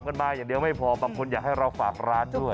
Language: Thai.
กันมาอย่างเดียวไม่พอบางคนอยากให้เราฝากร้านด้วย